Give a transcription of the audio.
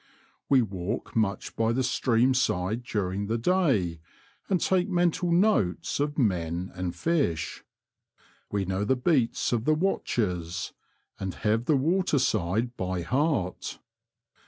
We walk much by the stream side during the day, and take mental notes of men and fish. We know the beats of the watchers, and have the water side by heart.